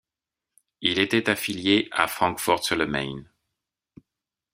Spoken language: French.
Il était affilié à Francfort-sur-le-Main.